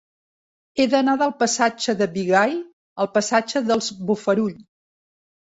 He d'anar del passatge de Bigai al passatge dels Bofarull.